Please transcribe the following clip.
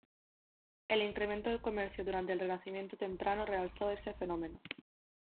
El incremento del comercio durante el renacimiento temprano realzó este fenómeno.